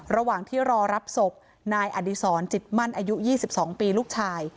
ระหว่างที่รอรับศพนายอดีศรจิตมั่นอายุ๒๒ปีลูกชาย